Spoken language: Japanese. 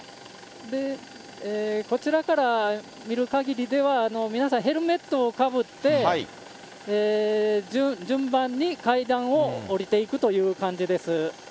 こちらから見るかぎりでは、皆さん、ヘルメットをかぶって、順番に階段を下りていくという感じです。